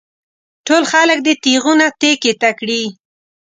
ټول خلک دې تېغونه تېکې ته کړي.